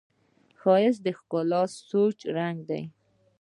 ښایست د ښکلي سوچ رنګ دی